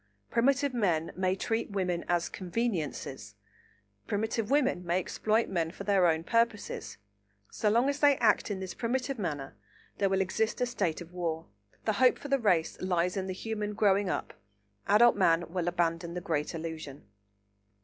Primitive men may treat women as "conveniences"; primitive women may exploit men for their own purposes; so long as they act in this primitive manner there will exist a state of war. The hope for the race lies in the Human growing up. Adult man will abandon the Great Illusion.